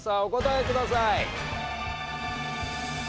お答えください。